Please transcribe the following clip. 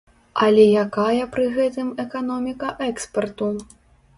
Але якая пры гэтым эканоміка экспарту?